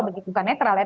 bukan netral ya